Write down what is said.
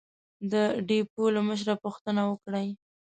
د ډېپو له مشره پوښتنه وکړئ!